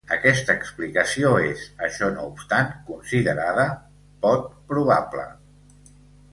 Aquesta explicació és, això no obstant, considerada pot probable.